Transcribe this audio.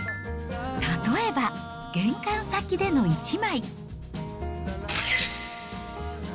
例えば、玄関先での１枚。